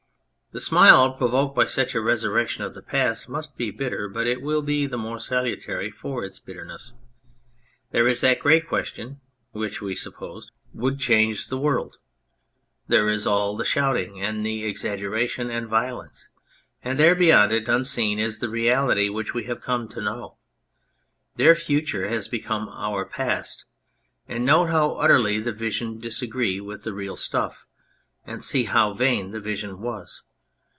The smile provoked by such a resurrection of the past must be bitter, but it will be the more salutary for its bitterness. There is that great question which (we supposed !) would change 101 On Anything the world ; there is all the shouting and the exagger ation and violence ; and there, beyond it, unseen, is the reality which we have come to know. Their future has become our past, and note how utterly the vision disagrees with the real stuff, and see how vain the vision was.